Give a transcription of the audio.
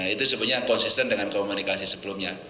itu sebenarnya konsisten dengan komunikasi sebelumnya